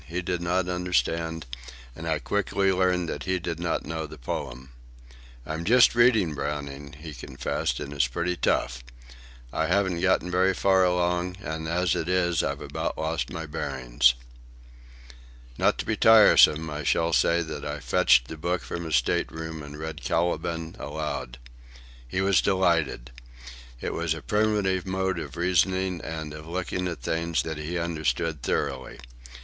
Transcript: He did not understand, and I quickly learned that he did not know the poem. "I'm just reading Browning," he confessed, "and it's pretty tough. I haven't got very far along, and as it is I've about lost my bearings." Not to be tiresome, I shall say that I fetched the book from his state room and read "Caliban" aloud. He was delighted. It was a primitive mode of reasoning and of looking at things that he understood thoroughly.